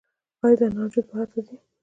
آیا د انارو جوس بهر ته ځي؟